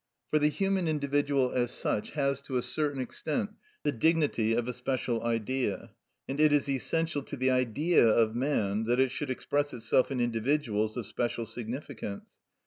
For the human individual as such has to a certain extent the dignity of a special Idea, and it is essential to the Idea of man that it should express itself in individuals of special significance.